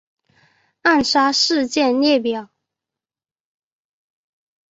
暗杀事件列表